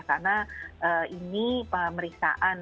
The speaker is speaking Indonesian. karena ini pemeriksaan